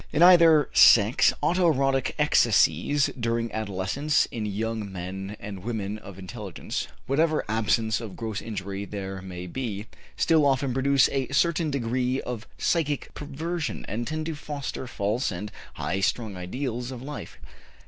In either sex auto erotic excesses during adolescence in young men and women of intelligence whatever absence of gross injury there may be still often produce a certain degree of psychic perversion, and tend to foster false and high strung ideals of life.